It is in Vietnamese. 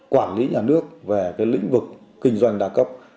quản lý nhà nước về lĩnh vực kinh doanh đa cấp